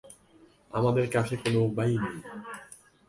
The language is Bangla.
আমাদের কাছে কোনো উপায়ই নেই।